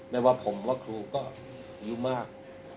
ไม่ว่าผมว่าครูก็อายุมาก